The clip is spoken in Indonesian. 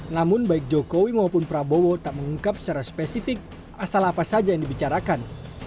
namun baik jokowi maupun prabowo tak mengungkap secara spesifik asal apa saja yang dibicarakan